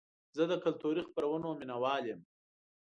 زه د کلتوري خپرونو مینهوال یم.